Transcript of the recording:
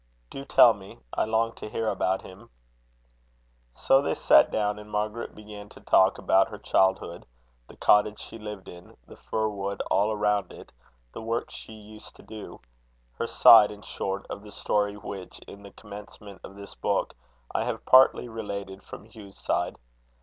"Do tell me. I long to hear about him." So they sat down; and Margaret began to talk about her childhood; the cottage she lived in; the fir wood all around it; the work she used to do; her side, in short, of the story which, in the commencement of this book, I have partly related from Hugh's side.